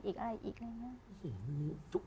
อีกอะไรอีกเลยนะ